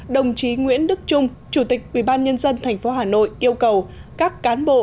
đồng chí nguyễn đức trung chủ tịch ủy ban nhân dân thành phố hà nội yêu cầu các cán bộ